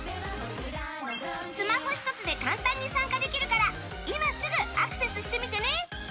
スマホ１つで簡単に参加できるから今すぐアクセスしてみてね！